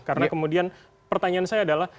karena kemudian pertanyaan saya adalah